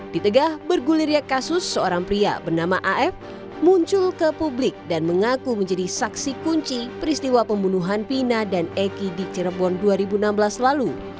di tengah bergulirnya kasus seorang pria bernama af muncul ke publik dan mengaku menjadi saksi kunci peristiwa pembunuhan pina dan eki di cirebon dua ribu enam belas lalu